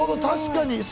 確かに。